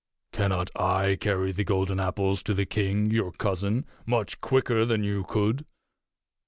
Cannot I carry the golden apples to the king, your cousin, much quicker than you could?